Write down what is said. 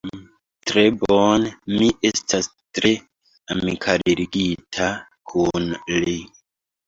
Tre bone; mi estas tre amikalligita kun li.